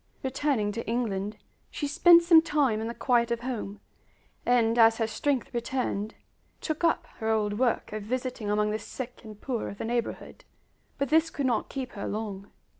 Returning to England, she spent some time in the quiet of home, and as her strength returned, took up her old work of visiting among the sick and poor of the neighborhood. But this could not keep her long.